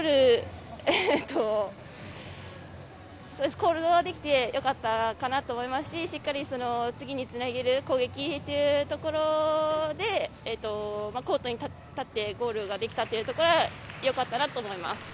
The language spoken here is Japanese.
コールドできてよかったと思いますししっかり次につなげる攻撃というところでコートに立ってゴールができたというところはよかったなと思います。